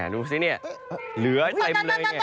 ดูสิเนี่ยเหลือเต็มเลย